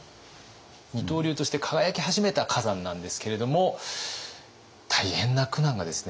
二刀流として輝き始めた崋山なんですけれども大変な苦難がですね